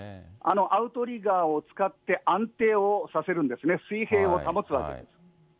アウトリガーを使って安定をさせるんですね、水平を保つわけです。